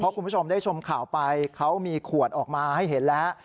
คุณผู้ชมได้ชมข่าวไปเขามีขวดออกมาให้เห็นแล้ว